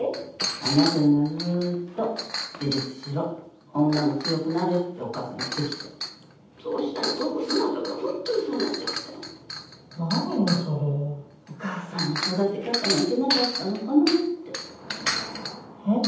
あなたにはずーっと自立しろ女も強くなれってお母さん言ってきて☎そうしたら瞳子素直だからホントにそうなっちゃって何よそれお母さんの育て方がいけなかったのかなってえっ？